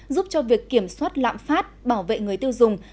giúp cho việc kiểm soát lạm phát bảo vệ người tiêu dùng